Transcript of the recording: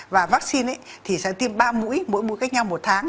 và vaccine thì sẽ tiêm ba mũi mỗi mũi cách nhau một tháng